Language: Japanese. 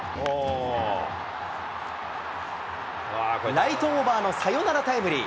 ライトオーバーのサヨナラタイムリー。